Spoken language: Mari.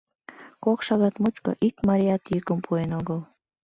Кок шагат мучко ик марият йӱкым пуэн огыл.